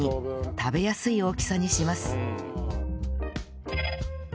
食べやすい大きさにします